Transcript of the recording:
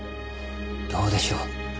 どうでしょう。